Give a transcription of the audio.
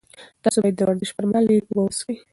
تاسي باید د ورزش پر مهال ډېرې اوبه وڅښئ.